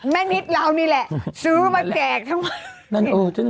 นิดเรานี่แหละซื้อมาแจกทั้งวัน